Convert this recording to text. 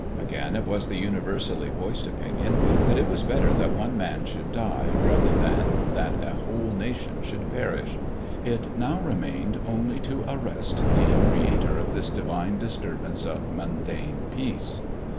Again it was the universally voiced opinion that it was better that one man should die rather than that a whole nation should perish. It now remained only to arrest the creator of this divine disturbance of mundane peace.